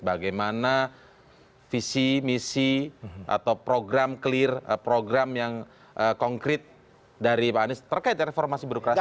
bagaimana visi misi atau program clear program yang konkret dari pak anies terkait reformasi birokrasi